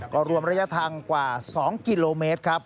ก็รวมระยะทางกว่า๒กิโลเมตรครับ